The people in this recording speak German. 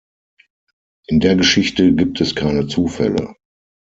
In der Geschichte gibt es keine Zufälle.